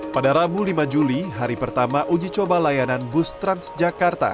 pada rabu lima juli hari pertama uji coba layanan bus transjakarta